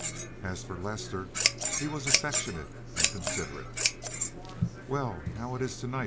As for Lester, he was affectionate and considerate. "Well, how is it to night?"